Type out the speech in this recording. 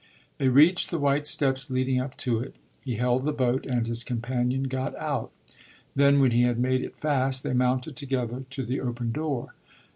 They reached the white steps leading up to it. He held the boat and his companion got out; then, when he had made it fast, they mounted together to the open door.